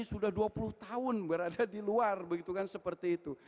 sudah dua puluh tahun berada di luar seperti itu